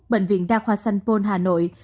bệnh viện đa khoa san pôn hà nội